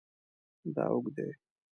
دا اوږد دی